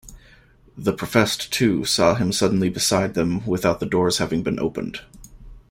The professed, too, saw him suddenly beside them without the doors having been opened.